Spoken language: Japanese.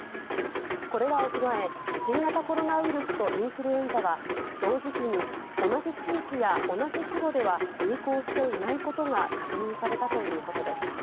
これらを踏まえ、新型コロナウイルスとインフルエンザは、同時期に同じ地域や同じ規模では流行していないことが確認されたということです。